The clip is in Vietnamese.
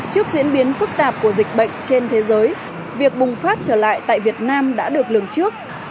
trước diễn biến phức tạp của dịch bệnh trên thế giới việc bùng phát trở lại tại việt nam đã được lường trước